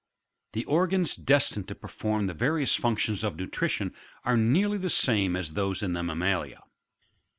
25. The organs destined to perform the various functions of nutrition are nearly the same as those in the mammalia.